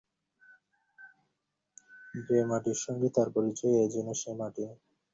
যে মাটির সঙ্গে তার পরিচয় এ যেন সে মাটি নয়।